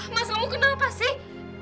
mas kamu kenapa sih